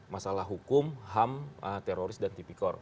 masalah hukum ham teroris dan tipikor